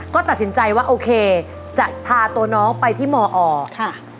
ก็ตัดสินใจว่าโอเคจะพาตัวน้องไปที่มอค่ะ